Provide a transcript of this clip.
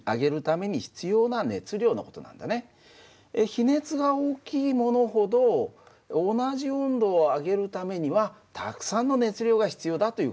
比熱が大きいものほど同じ温度を上げるためにはたくさんの熱量が必要だという事なんだ。